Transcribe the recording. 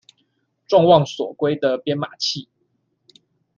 眾望所歸的編碼器